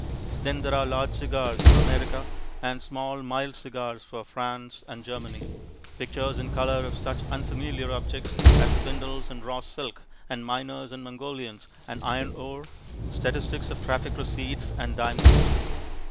Then there are large cigars for America and small mild cigars for France and Germany; pictures in colour of such unfamiliar objects as spindles and raw silk and miners and Mongolians and iron ore; statistics of traffic receipts and diamonds.